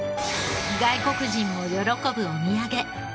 外国人も喜ぶお土産鎌倉